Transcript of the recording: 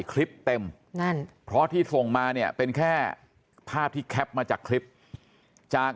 คลิปเต็มนั่นเพราะที่ส่งมาเนี่ยเป็นแค่ภาพที่แคปมาจากคลิปจาก